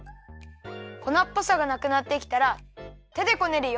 こなっぽさがなくなってきたらてでこねるよ。